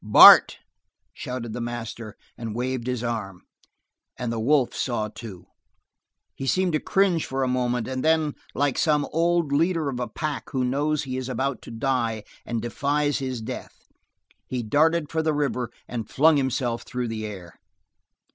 "Bart!" shouted the master, and waved his arm. And the wolf saw too. He seemed to cringe for a moment, and then, like some old leader of a pack who knows he is about to die and defies his death, he darted for the river and flung himself through the air.